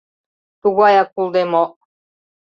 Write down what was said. — Тугаяк улде мо!